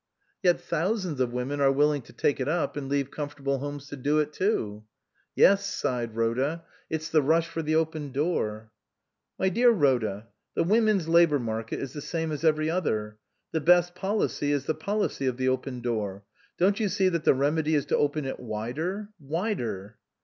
" Yet thousands of women are willing to take it up, and leave comfortable homes to do it too." " Yes," sighed Rhoda, " it's the rush for the open door." " My dear Rhoda, the women's labour market is the same as every other. The best policy is the policy of the open door. Don't you see that the remedy is to open it wider wider